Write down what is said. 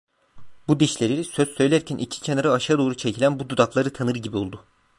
Bu dişleri, söz söylerken iki kenarı aşağı doğru çekilen bu dudakları tanır gibi oldu.